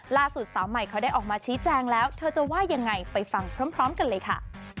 ล่าสุดสาวใหม่เขาได้ออกมาชี้แจงแล้วเธอจะว่ายังไงไปฟังพร้อมกันเลยค่ะ